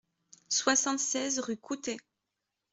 soixante-seize rue Coutey